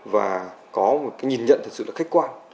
và có một cái nhìn nhận thật sự là khách quan